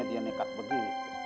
dia nekat begitu